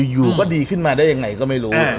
อยู่ก็ดีขึ้นมาได้ยังไงก็ไม่รู้